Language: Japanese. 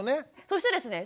そしてですね